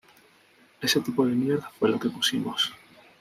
Ese tipo de mierda fue lo que pusimos.